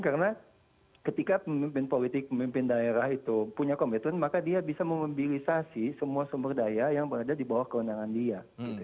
karena ketika pemimpin politik pemimpin daerah itu punya komitmen maka dia bisa memobilisasi semua sumber daya yang berada di bawah keundangan dia